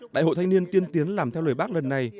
đại hội thanh niên tiên tiến làm theo lời bác lần này